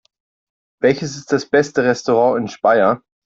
Welches ist das beste Restaurant in Speyer?